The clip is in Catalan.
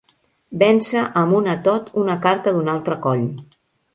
Vèncer amb un atot una carta d'un altre coll.